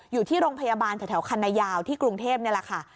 อยู่ที่โรงพยาบาลแถวคันนายาวที่กรุงเทพนี่แหละค่ะ